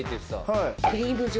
はい。